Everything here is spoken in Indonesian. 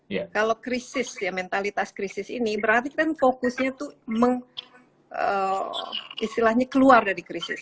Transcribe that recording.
ya kalau krisis ya mentalitas krisis ini berarti kan fokusnya tuh meng istilahnya keluar dari krisis